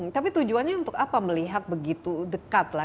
tapi tujuannya untuk apa melihat begitu dekat lah